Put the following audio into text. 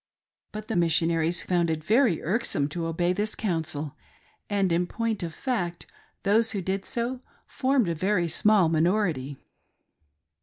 But A RUNAWAY WIFE. 203 the missionaries f otmd it very irksome to obey this Counsel, and in point of fact, those who did so formed a very small minority.